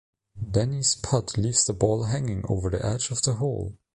Danny's putt leaves the ball hanging over the edge of the hole.